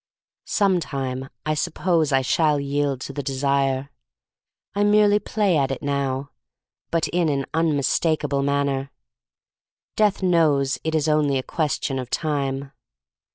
Sometime I suppose I shall yield to the desire. I merely play at it now — but in an unmistakable manner. Death knows it is only a question of time.